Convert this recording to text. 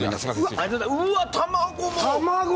うわ、卵も！